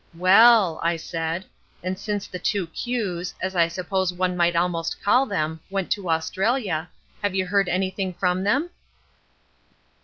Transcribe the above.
"Well," I said, "and since the two Q's, as I suppose one might almost call them, went to Australia, have you heard anything from them?"